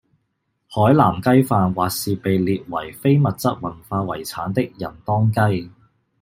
海南雞飯或是被列為非物質文化遺產的仁當雞